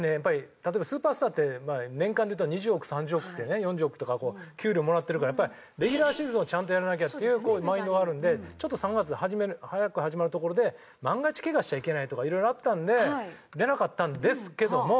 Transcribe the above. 例えばスーパースターって年間でいうと２０億３０億４０億とかこう給料もらってるからレギュラーシーズンをちゃんとやらなきゃっていうマインドがあるのでちょっと３月早く始まるところで万が一ケガしちゃいけないとか色々あったので出なかったんですけども。